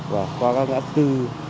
và qua các ngã tư